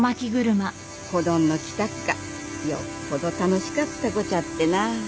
子どんの来たっがよっぽど楽しかったごちゃってなあ。